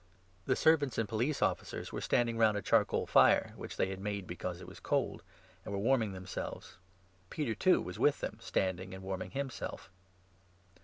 The servants and police officers were standing round a char 18 coal fire (which they had made because it was cold), and were warming themselves. Peter, too, was with them, standing and warming himself.